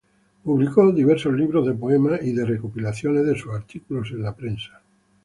Publicó diversos libros de poemas y de recopilaciones de sus artículos en la prensa.